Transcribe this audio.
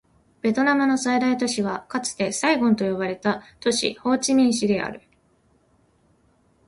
ベトナムの最大都市はかつてサイゴンと呼ばれた都市、ホーチミン市である